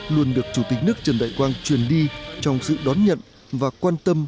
luôn được chủ tịch nước trần đại quang truyền đi trong sự đón nhận và quan tâm